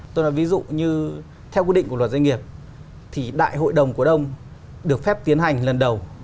tôi nói ví dụ như theo quy định của luật doanh nghiệp thì đại hội đồng cổ đông được phép tiến hành lần đầu